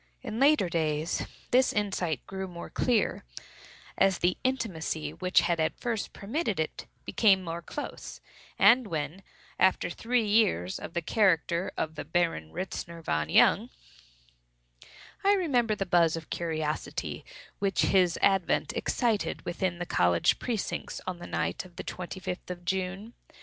In later days this insight grew more clear, as the intimacy which had at first permitted it became more close; and when, after three years separation, we met at G——n, I knew all that it was necessary to know of the character of the Baron Ritzner von Jung. I remember the buzz of curiosity which his advent excited within the college precincts on the night of the twenty fifth of June.